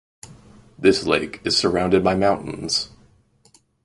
This lake is surrounded by mountains.